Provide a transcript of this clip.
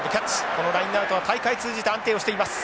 このラインアウトは大会通じて安定しています。